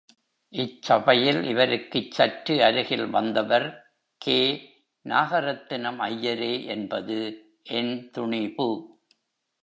இச்சபையில் இவருக்குச் சற்று அருகில் வந்தவர், கே. நாகரத்தினம் ஐயரே என்பது என் துணிபு.